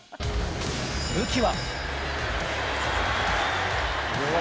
武器は。